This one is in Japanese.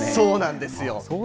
そうなんですよ。